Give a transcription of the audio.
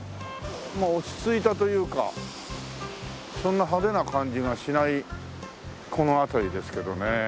まあ落ち着いたというかそんな派手な感じがしないこの辺りですけどねえ。